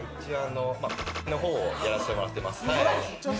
〇〇のほうをやらせてもらってます。